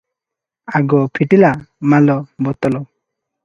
ଆଗ ଫିଟିଲା ମାଲ ବୋତଲ।